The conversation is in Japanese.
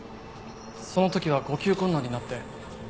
その時は呼吸困難になって。